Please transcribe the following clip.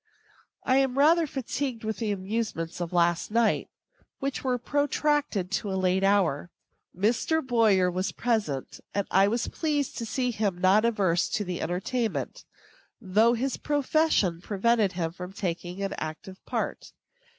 I am rather fatigued with the amusements of last night, which were protracted to a late hour. Mr. Boyer was present; and I was pleased to see him not averse to the entertainment, though his profession prevented him from taking an active part.